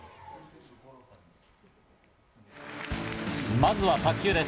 まずは卓球です。